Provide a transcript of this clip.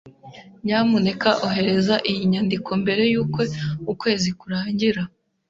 Nyamuneka ohereza iyi nyandiko mbere yuko ukwezi kurangira.